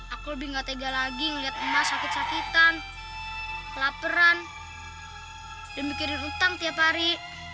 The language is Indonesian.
aku lebih gak tega lagi ngeliat emas sakit sakitan kelaperan dan mikirin hutang tiap hari